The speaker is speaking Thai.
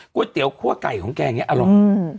กล้วยเตี๋ยวครัวไก่ของใก่อร่อย